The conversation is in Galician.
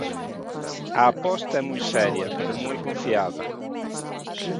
A aposta é moi seria, pero moi confiada.